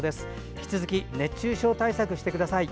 引き続き熱中症対策してください。